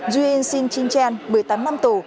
duan xin chin chen một mươi tám năm tù